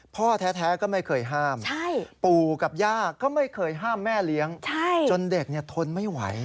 พ่อแท้ก็ไม่เคยห้ามปู่กับย่าก็ไม่เคยห้ามแม่เลี้ยงจนเด็กทนไม่ไหว